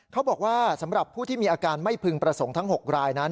เขาบอกว่าสำหรับผู้ที่มีอาการไม่พึงประสงค์ทั้ง๖รายนั้น